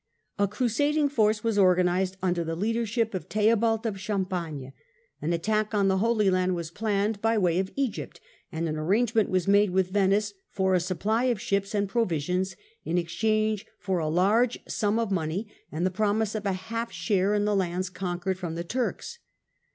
A crusading force was organized under the leadership of Theobald of Champagne, an attack on the Holy Land was planned by way of Egypt, and an arrangement was made with Venice for a supply of ships and provisions in exchange for a large sum of money and the promise of a half share in the lands conquered from the Turks.